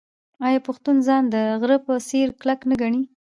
آیا پښتون ځان د غره په څیر کلک نه ګڼي؟